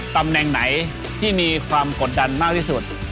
ตำแหน่งไหนที่มีความกดดันมากที่สุด